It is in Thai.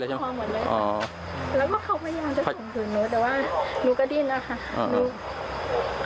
แล้วก็เขาพยายามจะถึงถึงนู้นแต่ว่าหนูก็ดิ้นนะคะ